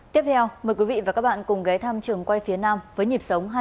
tiếp theo mời quý vị và các bạn cùng ghé thăm trường quay phía nam với nhịp sống hai mươi bốn trên bảy